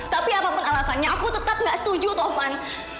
tapi apapun alasannya aku tetap gak setuju tovan